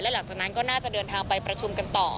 หลังจากนั้นก็น่าจะเดินทางไปประชุมกันต่อ